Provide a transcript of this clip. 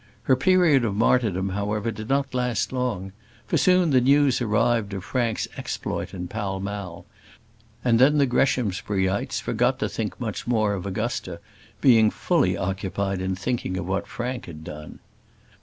Her period of martyrdom, however, did not last long, for soon the news arrived of Frank's exploit in Pall Mall; and then the Greshamsburyites forgot to think much more of Augusta, being fully occupied in thinking of what Frank had done.